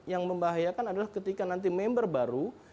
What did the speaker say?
yang membahayakan adalah ketika nanti member baru